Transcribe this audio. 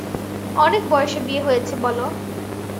অনেক বয়সে বিয়ে হয়েছে বলো?